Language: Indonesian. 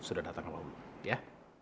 sudah datang ke lalu ya